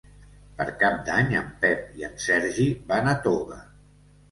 Per Cap d'Any en Pep i en Sergi van a Toga.